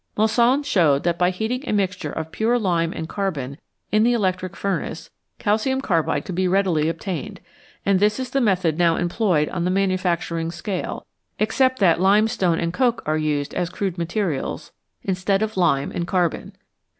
Moissan showed that by heating a mixture of pure lime and carbon in the electric furnace calcium carbide could readily be obtained, and this is the method now employed on the manufacturing scale, except that limestone and coke are used as crude materials instead of lime and carbon.